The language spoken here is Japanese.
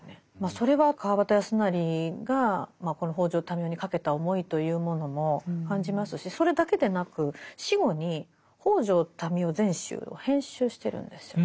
それは川端康成がこの北條民雄にかけた思いというものも感じますしそれだけでなく死後に「北條民雄全集」を編集してるんですよね。